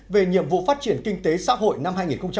về nhiệm vụ phát triển kinh tế xã hội năm hai nghìn một mươi chín